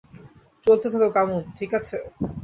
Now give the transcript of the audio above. চলতে থাকো come on - ঠিক আছে?